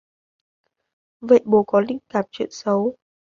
vậy bố có linh cảm chuyện xấu